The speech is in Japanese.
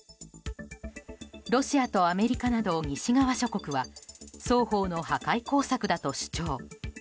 ロシアとアメリカなど西側諸国は双方の破壊工作だと主張。